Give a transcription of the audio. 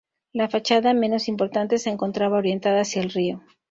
La fachada menos importante se encontraba orientada hacia el río.